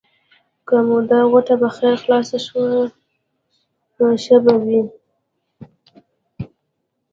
که مو دا غوټه په خیر خلاصه شوه؛ ښه به وي.